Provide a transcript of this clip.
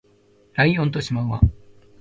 ライオンとシマウマ